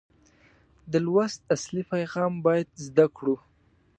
د لوست اصلي پیغام باید زده کړو.